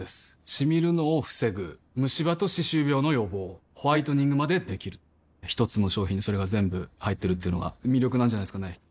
シミるのを防ぐムシ歯と歯周病の予防ホワイトニングまで出来る一つの商品にそれが全部入ってるっていうのが魅力なんじゃないですかね